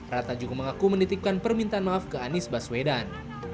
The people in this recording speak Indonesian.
ratna juga mengaku menitipkan permintaan maaf ke anies baswedan